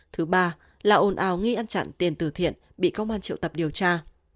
thứ ba là ồn ào nghi ăn chặn tiền từ thiện bị công an triệu tập điều tra